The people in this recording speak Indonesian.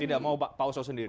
tidak mau pak oso sendiri